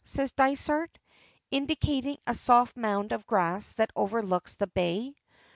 says Dysart, indicating a soft mound of grass that overlooks the bay.